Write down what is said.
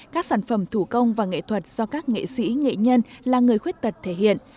các sản phẩm thủ công và nghệ thuật do các nghệ sĩ nghệ nhân là người khuyết tật thể hiện